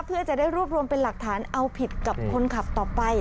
เพื่อจะได้รวบรวมเป็นหลักฐานเอาผิดกับคนขับต่อไป